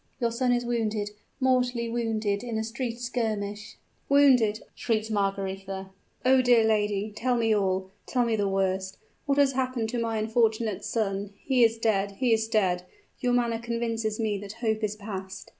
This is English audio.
"Your son is wounded mortally wounded in a street skirmish " "Wounded!" shrieked Margaretha. "Oh, dear lady tell me all tell me the worst! What has happened to my unfortunate son? He is dead he is dead! Your manner convinces me that hope is past!"